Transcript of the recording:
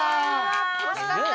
惜しかった！